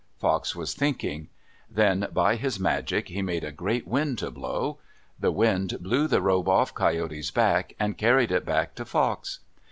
Fox was thinking. Then by his magic he made a great wind to blow. The wind blew the robe off Coyote's back and carried it back to Fox.